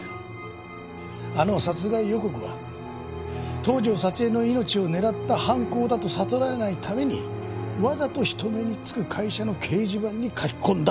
あの殺害予告は東条沙知絵の命を狙った犯行だと悟られないためにわざと人目につく会社の掲示板に書き込んだっていう事だな？